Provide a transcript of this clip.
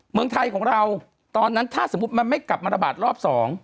เมืองไทยของเราต้อนนั้นถามันไม่กระดาบมารบาดรอบ๒